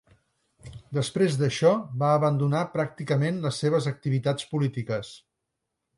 Després d'això va abandonar pràcticament les seves activitats polítiques.